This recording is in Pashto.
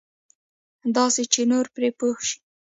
داسې چې نور پرې پوه شي.